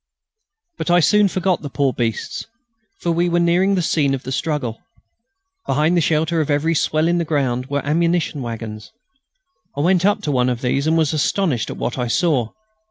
But I soon forgot the poor beasts, for we were nearing the scene of the struggle. Behind the shelter of every swell in the ground were ammunition waggons. I went up to one of these and was astonished at what I saw.